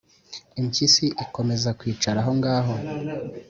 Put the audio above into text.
impyisi ikomeza kwicara aho ngaho.